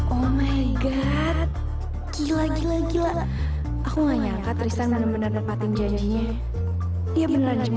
oh my god gila gila gila aku nyangka tristan benar benar nepatin janjinya dia beneran